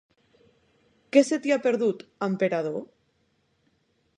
Què se t'hi ha perdut, a Emperador?